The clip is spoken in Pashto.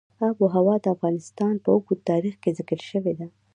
آب وهوا د افغانستان په اوږده تاریخ کې ذکر شوې ده.